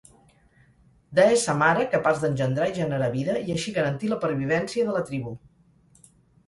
Deessa mare capaç d'engendrar i generar vida i així garantir la pervivència de la tribu.